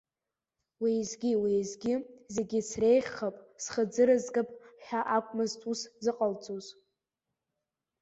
Уеизгьы-уеизгьы зегьы среиӷьхап, схы ӡырызгап ҳәа акәмызт ус зыҟалҵоз.